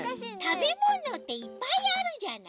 たべものっていっぱいあるじゃない？